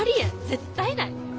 絶対ない。